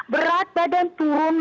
berat badan turun